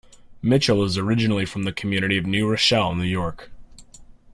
Mitchell is originally from the community of New Rochelle, New York.